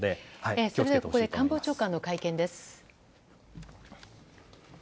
それではここで官房長官の会見です。